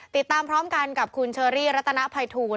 ติดตามพร้อมกันกับคุณเชอรี่รัตนภัยทูล